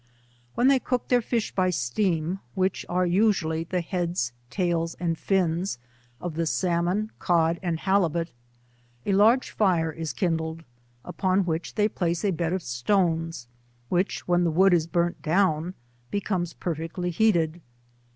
When they cook their fish by steam, which are usually the heads, tails, and fins of the salmon, cod and tjalibut, a large fire is kindled, upon which they place a bed of stones, which, when the wood G 3 70 is burnt down, becomes perfectly heated.